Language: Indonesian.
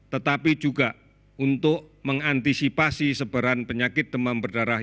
tetapi juga untuk mengantisipasi sebaran penyakit demam berdarah